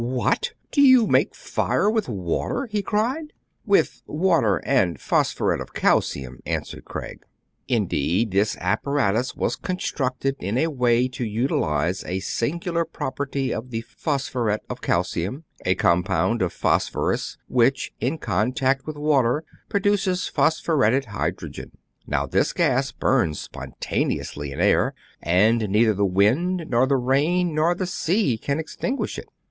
"What! do you make fire with water.?" he cried. "With water and phosphuret of calcium," an swered Craig. Indeed, this apparatus was constructed in a way to utilize a singular property of the phosphuret of calcium, — a compound of phosphorus, which in contact with water produces phosphuretted hydro gen. Now, this gas burns spontaneously in air, and neither the wind nor the rain nor the sea can extinguish it.